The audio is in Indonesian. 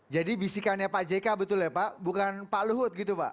bisikannya pak jk betul ya pak bukan pak luhut gitu pak